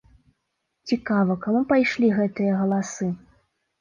Цікава, каму пайшлі гэтыя галасы?